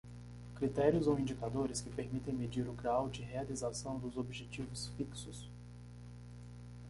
Critérios ou indicadores que permitem medir o grau de realização dos objetivos fixos.